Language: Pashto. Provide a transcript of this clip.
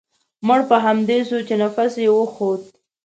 مړ په همدې سو چې نفس يې و خوت.